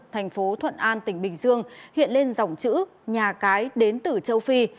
thành phố thuận an tỉnh bình dương hiện lên dòng chữ nhà cái đến từ châu phi